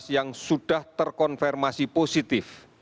yang sudah terkonfirmasi positif